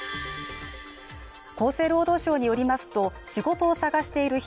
厚生労働省によりますと仕事を探している人